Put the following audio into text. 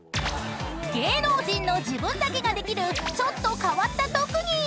［芸能人の自分だけができるちょっと変わった特技］